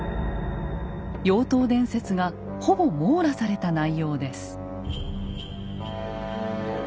妖刀伝説がほぼ網羅された内容です。